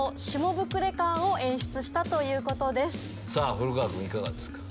古川君いかがですか？